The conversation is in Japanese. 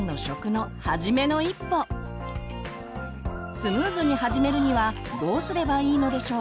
スムーズに始めるにはどうすればいいのでしょう？